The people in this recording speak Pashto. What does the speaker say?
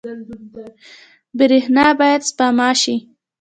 برښنا باید سپما شي